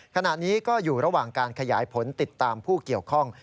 ขณะนี้ก็อยู่ระหว่างการขยายผลติดตามผู้เกี่ยวข้อง